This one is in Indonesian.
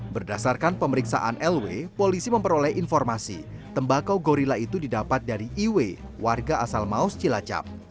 berdasarkan pemeriksaan lw polisi memperoleh informasi tembakau gorilla itu didapat dari iw warga asal maus cilacap